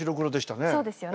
そうですよね。